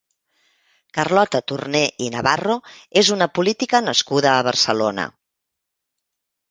Carlota Torné i Navarro és una política nascuda a Barcelona.